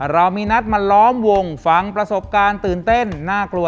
เรามีนัดมาล้อมวงฟังประสบการณ์ตื่นเต้นน่ากลัว